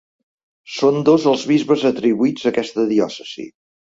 Són dos els bisbes atribuïts a aquesta diòcesi.